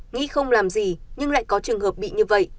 nghĩ không làm gì nhưng lại có trường hợp bị như vậy